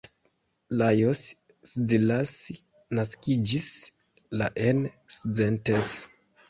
Lajos Szilassi naskiĝis la en Szentes.